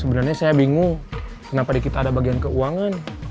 sebenarnya saya bingung kenapa di kita ada bagian keuangan